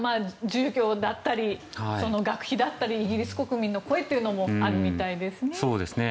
住居だったり学費だったりイギリス国民の声もあるみたいんですね。